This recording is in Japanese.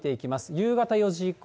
夕方４時以降。